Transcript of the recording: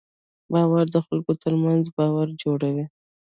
باور د خلکو تر منځ باور جوړوي.